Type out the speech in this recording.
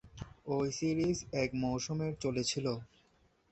ওই সিরিজ এক মৌসুমের চলেছিল।